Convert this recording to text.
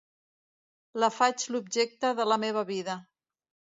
La faig l'objecte de la meva vida.